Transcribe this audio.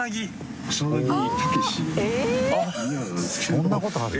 そんなことある？